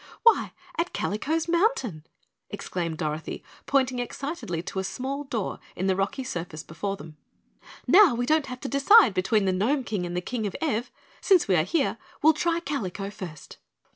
"Why, at Kalico's Mountain!" exclaimed Dorothy, pointing excitedly to a small door in the rocky surface before them. "Now we don't have to decide between the Gnome King and the King of Ev. Since we are here, we'll try Kalico first."